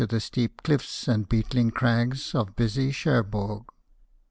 115 the steep cliffs and beetling crags of busy Cherbourg.